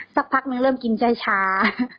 สักพักนึงเริ่มกินช้า